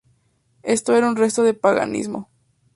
Esto era un resto de paganismo.